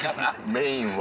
メインは。